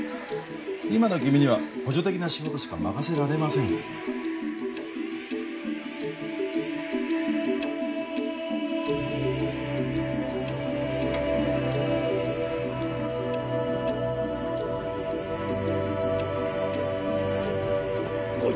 今の君には補助的な仕事しか任せられません浩一